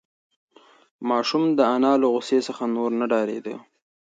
ماشوم د انا له غوسې څخه نور نه ډارېده.